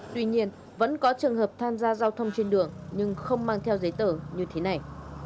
tuy nhiên vẫn có trường hợp tham gia giao thông trên đường nhưng không mang theo giấy tờ như thế này